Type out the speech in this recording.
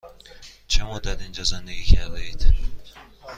چه مدت اینجا زندگی کرده اید؟